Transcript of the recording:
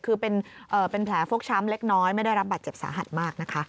คือเป็นแผลฟกช้ำเล็กน้อยไม่ได้รับบัตรเจ็บสาหัสมากนะคะ